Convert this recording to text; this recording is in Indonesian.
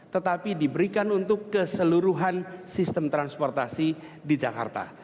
tetapi diberikan untuk keseluruhan sistem transportasi di jakarta